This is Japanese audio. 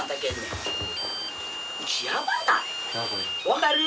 分かる？